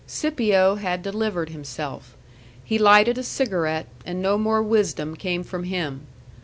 Scipio had delivered himself. He lighted a cigarette, and no more wisdom came from him.